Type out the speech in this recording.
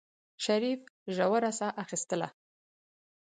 شريف ژوره سا اخېستله.